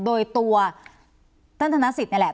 โดยตัวท่านธนสิทธินี่แหละ